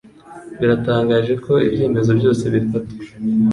biratangaje ko ibyemezo byose bifatwa.